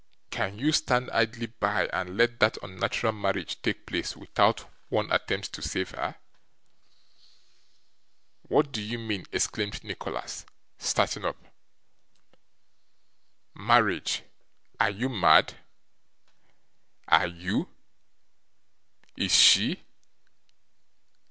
Can you stand idly by, and let that unnatural marriage take place without one attempt to save her?' 'What do you mean?' exclaimed Nicholas, starting up; 'marriage! are you mad?' 'Are you? Is she?